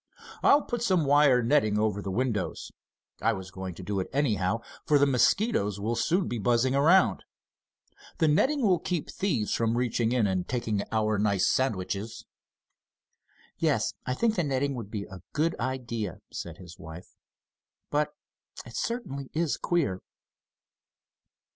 "I'll put some wire netting over the windows. I was going to do it anyhow, for the mosquitoes will soon be buzzing around. The netting will keep thieves from reaching in and taking our nice sandwiches." "Yes, I think the netting would be a good idea," said his wife. "But it certainly is queer."